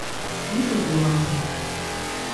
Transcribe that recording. Нисек була һуң?